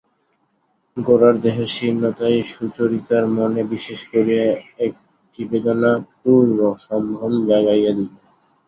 গোরার দেহের শীর্ণতাই সুচরিতার মনে বিশেষ করিয়া একটি বেদনাপূর্ণ সম্ভ্রম জাগাইয়া দিল।